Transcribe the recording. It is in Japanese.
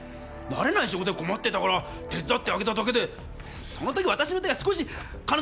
慣れない仕事で困ってたから手伝ってあげただけでその時私の手が少し彼女の肩に触れた。